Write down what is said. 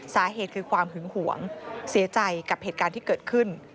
สาเหตุคือความหึงหวงเสียใจกับเหตุการณ์ที่เกิดขึ้น